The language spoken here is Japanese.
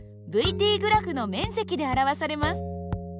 ｔグラフの面積で表されます。